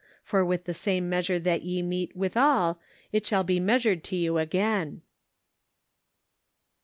For with the same measure that ye mete withal it shall be meas ured to you again."